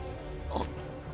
あっ。